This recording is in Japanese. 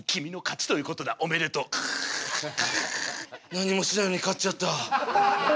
何もしないのに勝っちゃった。